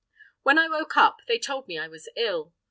When I woke up, they told me I was ill.